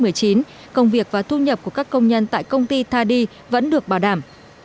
lợi nhu cầu của các công nhân tại công ty tha đi vẫn được bảo đảm